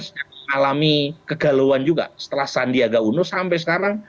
sekarang mengalami kegalauan juga setelah sandiaga uno sampai sekarang